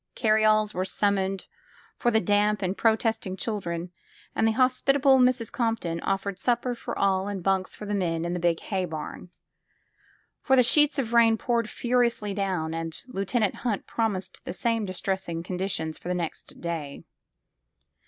Carryalls were summoned for the damp and protesting children, and the hospitable Mrs. Compton offered supper for all and bunks for the men in the big hay bam, for the sheets of rain poured furiously down and Lieutenant Hunt promised the same distressing conditions for the next day.